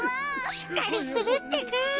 しっかりするってか。